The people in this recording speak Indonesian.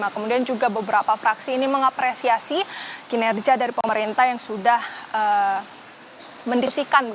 kemudian juga beberapa fraksi ini mengapresiasi kinerja dari pemerintah yang sudah mendisikan